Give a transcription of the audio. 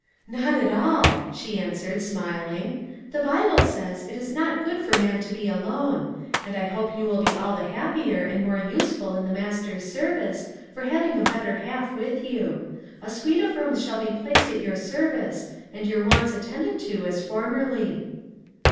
"Not at all," she answered, smiling; "the Bible says, 'it is not good for man to be alone,' and I hope you will be all the happier and more useful in the Master's service for having a better half with you. A suite of rooms shall be placed at your service and your wants attended to as formerly."